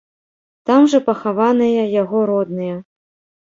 Там жа пахаваныя яго родныя.